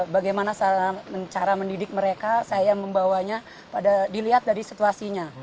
bagaimana cara mendidik mereka saya membawanya pada dilihat dari situasinya